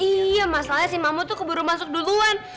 iya masalahnya si mama tuh keburu masuk duluan